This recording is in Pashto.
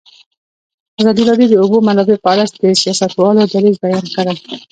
ازادي راډیو د د اوبو منابع په اړه د سیاستوالو دریځ بیان کړی.